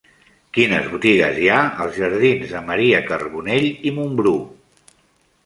Quines botigues hi ha als jardins de Maria Carbonell i Mumbrú?